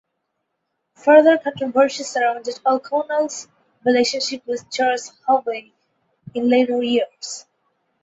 Further controversy surrounded O'Connell's relationship with Charles Haughey in later years.